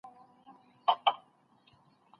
ما ته سپي ؤ په ژوندینه وصیت کړی